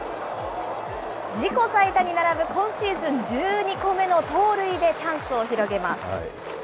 自己最多に並ぶ今シーズン１２個目の盗塁でチャンスを広げます。